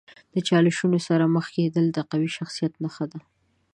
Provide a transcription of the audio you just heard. د چالشونو سره مخ کیدل د قوي شخصیت نښه ده.